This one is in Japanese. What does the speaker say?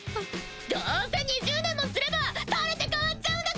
どうせ２０年もすれば垂れて変わっちゃうんだから！